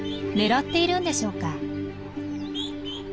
狙っているんでしょうか？